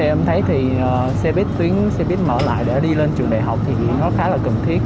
em thấy thì xe buýt tuyến xe buýt mở lại để đi lên trường đại học thì nó khá là cần thiết